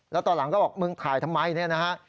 แล้วตอนหลังก็บอกมึงถ่ายทำไมเนี่ยนะฮะ